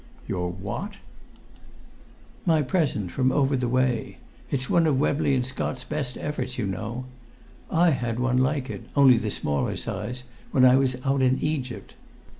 "Your what?" "My present from over the way. It's one of Webley and Scott's best efforts, you know. I had one like it, only the smaller size, when I was out in Egypt."